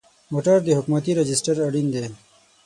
موټر د حکومتي راجسټر اړین دی.